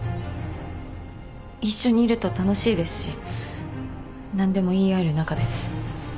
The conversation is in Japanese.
一緒にいると楽しいですし何でも言い合える仲です。